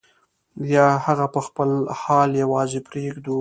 یا هغه په خپل حال یوازې پرېږدو.